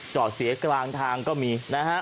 จอดเสียกลางทางก็มีนะฮะ